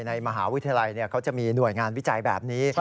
ในมหาวิทยาลัยเขาจะมีหน่วยงานวิจัยแบบนี้